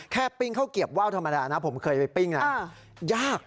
ปิ้งข้าวเกียบว่าวธรรมดานะผมเคยไปปิ้งยาก